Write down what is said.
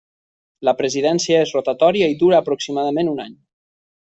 La presidència és rotatòria i dura aproximadament un any.